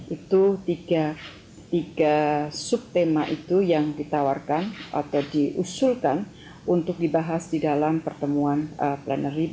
itu tiga subtema itu yang ditawarkan atau diusulkan untuk dibahas di dalam pertemuan plenary